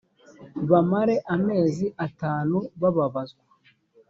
bamare amezi atanu bababazwa